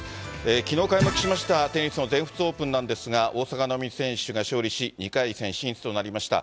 きのうかいまくしました、テニスの全仏オープンなんですが、大坂なおみ選手が勝利し、２回戦進出となりました。